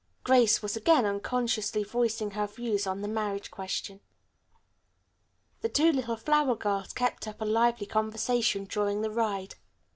Grace was again unconsciously voicing her views on the marriage question. The two little flower girls kept up a lively conversation during the ride.